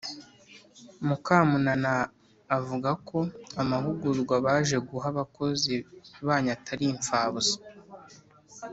Mukamunana avuga ko amahugurwa baje guha abakozi banyu atari impfabusa